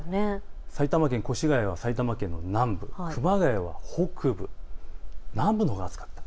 埼玉県越谷は埼玉県の南部熊谷は北部、南部のほうが暑かった。